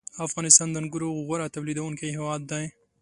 • افغانستان د انګورو غوره تولیدوونکی هېواد دی.